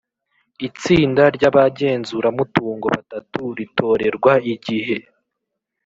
Itsinda ry abagenzuramutungo batatu ritorerwa igihe